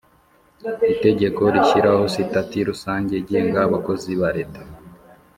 Itegekoo rishyiraho Sitati Rusange igenga Abakozi ba Leta